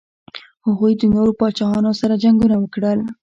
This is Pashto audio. هغوی د نورو پاچاهانو سره جنګونه وکړل.